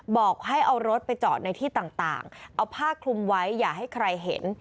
บอกให้เอารถไปจอดในที่ต่างเอาผ้าคลุมไว้อย่าให้ใครเห็น